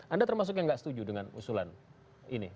anda termasuk yang nggak setuju dengan usulan ini